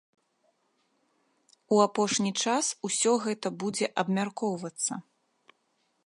У апошні час усё гэта будзе абмяркоўвацца.